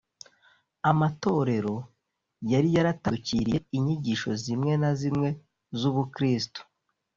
Amatorero yari yaratandukiriye inyigisho zimwe na zimwe z ubukristo